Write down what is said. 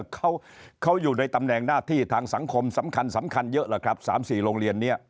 เขาอยู่ในตำแหน่งหน้าที่ทางสังคมสำคัญสำคัญเยอะแหละครับ๓๔โรงเรียนนี้